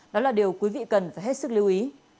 đó là điều quý vị cần phải hết sức lưu ý